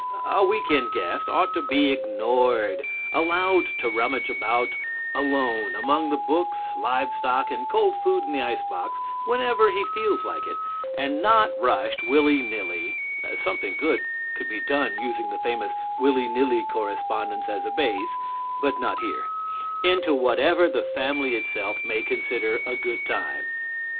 A week end guest ought to be ignored, allowed to rummage about alone among the books, live stock and cold food in the ice box whenever he feels like it, and not rushed willy nilly (something good could be done using the famous Willy Nilly correspondence as a base, but not here), into whatever the family itself may consider a good time.